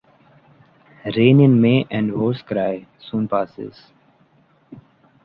Rain in May and whore’s cry, soon passes.